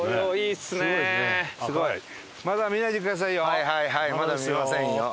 はいはいはいまだ見ませんよ。